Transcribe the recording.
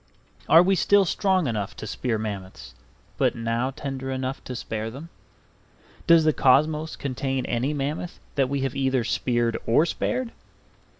Are we still strong enough to spear mammoths, but now tender enough to spare them? Does the cosmos contain any mammoth that we have either speared or spared?